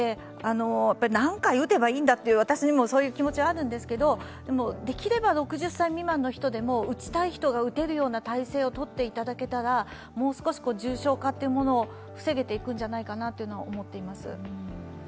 何回打てばいいんだと、私もそういう気持ちはあるんですけどできれば６０歳未満の人でも打ちたい人が打てるような体制をとっていただけたらもう少し重症化というものを防げていくんじゃないかと思っています。